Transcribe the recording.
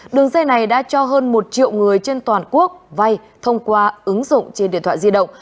đường dây này đã cho hơn một triệu người trên toàn quốc vay thông qua ứng dụng trên điện thoại di động